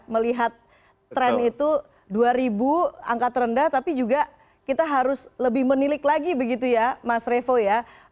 melihat tren itu dua ribu angka terendah tapi juga kita harus lebih menilik lagi begitu ya mas revo ya